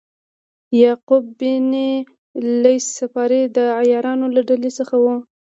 یعقوب بن لیث صفار د عیارانو له ډلې څخه و.